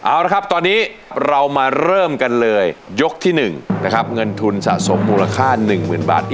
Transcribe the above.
เอาละครับตอนนี้เรามาเริ่มกันเลยยกที่๑นะครับเงินทุนสะสมมูลค่า๑๐๐๐บาท